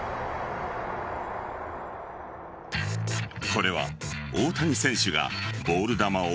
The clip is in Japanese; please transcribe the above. これは、大谷選手がボール球を